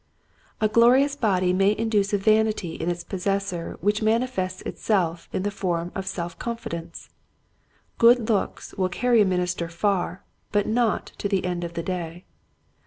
A glorious body may induce a vanity in its possessor which manifests itself in the form of self confidence. Good looks will carry a minister far but not to the end of the day.